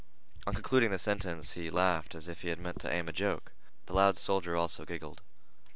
On concluding the sentence he laughed as if he had meant to aim a joke. The loud soldier also giggled.